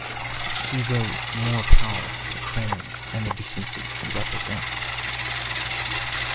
He wrote, More power to Krainin and the decency he represents!